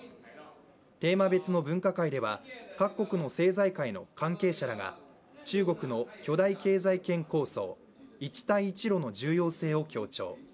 テーマ別の分科会では各国の政財界の関係者らが中国の巨大経済圏構想・一帯一路の重要性を強調。